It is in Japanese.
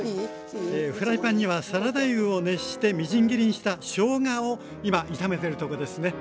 フライパンにはサラダ油を熱してみじん切りにしたしょうがを今炒めてるとこですね。